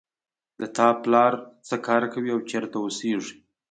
د تا پلار څه کار کوي او چېرته اوسیږي